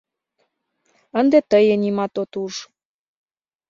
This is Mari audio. Ынде тые нимат от уж